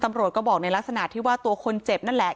ตำรวจก็บอกในลักษณะที่ว่าตัวคนเจ็บนั่นแหละ